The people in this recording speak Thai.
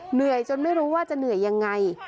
เหนื่อยจนไม่รู้ว่าจะเหนื่อยยังไง